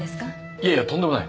いやいやとんでもない。